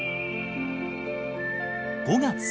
５月。